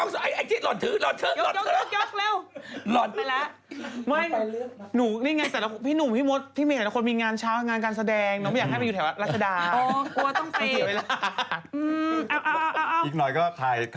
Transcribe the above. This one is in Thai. อ้าวพร้อมได้นะคะ